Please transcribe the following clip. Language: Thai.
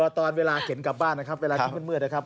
กลัวตอนเวลาเห็นกลับบ้านนะครับเวลากินเมื่อนะครับ